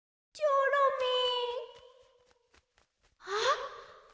あっ。